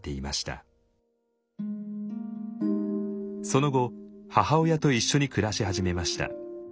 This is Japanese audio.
その後母親と一緒に暮らし始めました。